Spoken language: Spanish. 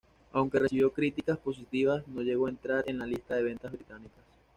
Aunque recibió críticas positivas, no llegó a entrar en las listas de ventas británicas.